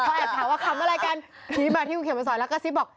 เขาแอบถามว่าขำอะไรกันชี้มาที่คุณเขียนมาสอนแล้วก็ซิบบอก